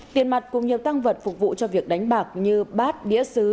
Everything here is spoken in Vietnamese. tiền mặt cùng nhiều tăng vật phục vụ cho việc đánh bạc như bát đĩa xứ